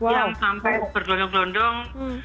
yang sampai bergelondong gelondong